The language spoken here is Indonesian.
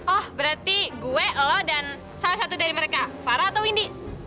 oh berarti gue lo dan salah satu dari mereka farah atau windy